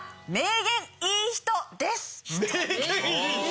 「名言いい人」。